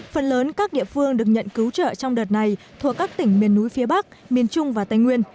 phần lớn các địa phương được nhận cứu trợ trong đợt này thuộc các tỉnh miền núi phía bắc miền trung và tây nguyên